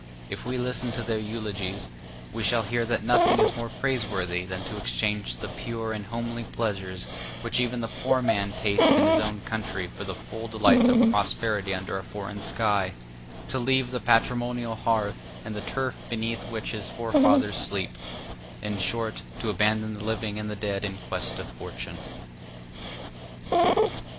If we listen to their eulogies, we shall hear that nothing is more praiseworthy than to exchange the pure and homely pleasures which even the poor man tastes in his own country for the dull delights of prosperity under a foreign sky; to leave the patrimonial hearth and the turf beneath which his forefathers sleep; in short, to abandon the living and the dead in quest of fortune.